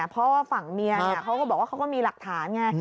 เพราะว่าฝั่งเมียเขาก็บอกว่าเขาก็มีหลักฐานไง